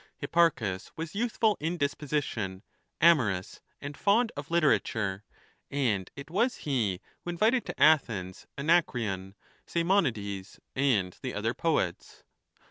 Hipparchus was youthful in dis position, amorous, and fond of literature, and it was he who invited to Athens Anacreon, Simo nides, and the other poets.